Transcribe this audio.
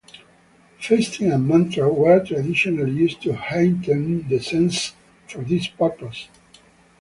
Fasting and mantra were traditionally used to heighten the senses for this purpose.